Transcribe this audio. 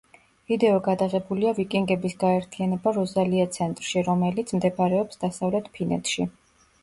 ვიდეო გადაღებულია ვიკინგების გაერთიანება როზალია ცენტრში, რომელიც მდებარეობს დასავლეთ ფინეთში.